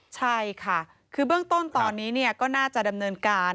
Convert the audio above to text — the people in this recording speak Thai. ใช่ค่ะคือเบื้องต้นตอนนี้ก็น่าจะดำเนินการ